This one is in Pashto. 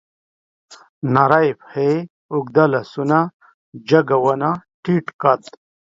نرۍ پښې، اوږده لاسونه، جګه ونه، ټيټ قد